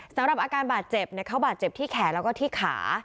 สำหรับอาการบาดเจ็บเขาบาดเจ็บที่แขนแล้วก็ที่ขา